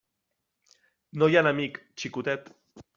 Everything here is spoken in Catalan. No hi ha enemic xicotet.